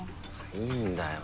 いいんだよ。